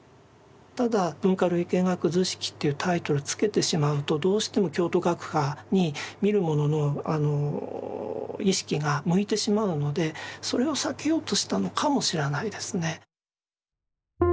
ただ「文化類型学図式」っていうタイトル付けてしまうとどうしても京都学派に見る者の意識が向いてしまうのでそれを避けようとしたのかもしれないですね。